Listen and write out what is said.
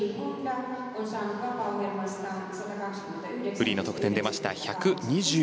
フリーの得点出ました